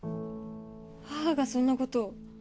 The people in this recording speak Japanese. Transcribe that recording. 母がそんなことを？